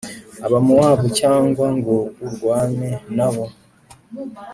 Abamowabu cyangwa ngo urwane na bo,